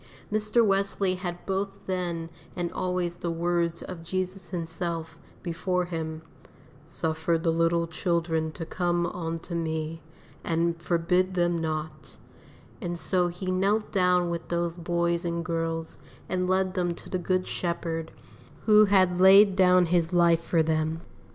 Mr. Wesley had both then and always the words of Jesus Himself, before him, "Suffer the little children to come unto Me, and forbid them not;" and so he knelt down with those boys and girls and led them to the Good Shepherd, who had laid down His life for them.